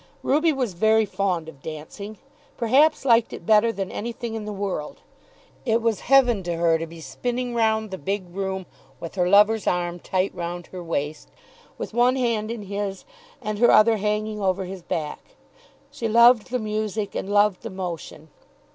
Ruby was very fond of dancing, perhaps liked it better than anything in the world. It was heaven to her to be spinning round the big room with her lover's arm tight round her waist, with one hand in his and her other hanging over his back. She loved the music, and loved the motion.